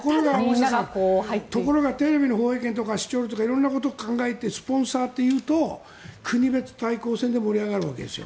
ところが、テレビの放映権とか視聴率とか色々考えてスポンサーというと国別対抗戦で盛り上がるわけですよ。